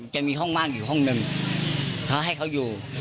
จะมีห้องว่างอยู่ห้องหนึ่งเขาให้เขาอยู่